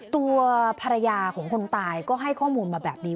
ตัวภรรยาของคนตายก็ให้ข้อมูลมาแบบนี้